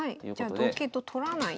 じゃあ同桂と取らない。